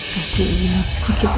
kasih iap sedikit dulu